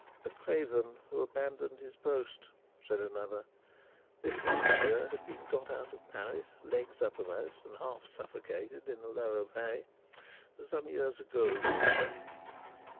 "A craven who abandoned his post," said another this Monseigneur had been got out of Paris, legs uppermost and half suffocated, in a load of hay "some years ago."